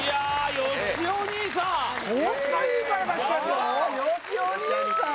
よしお兄さん！？